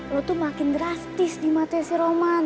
lo tuh makin drastis di mata si roman